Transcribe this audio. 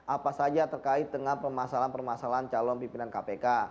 apa saja terkait dengan permasalahan permasalahan calon pimpinan kpk